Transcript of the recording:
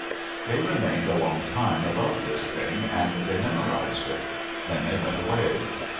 They remained a long time above this thing, and they memorized it. Then they went away.